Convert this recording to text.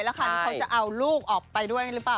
แล้วคราวนี้เขาจะเอาลูกออกไปด้วยหรือเปล่า